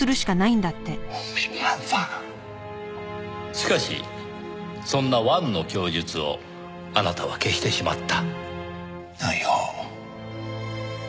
しかしそんな王の供述をあなたは消してしまった。